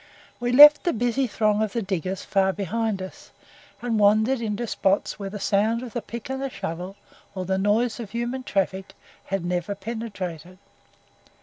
We left the busy throng of the diggers far behind us, and wandered into spots where the sound of the pick and shovel, or the noise of human traffic, had never penetrated.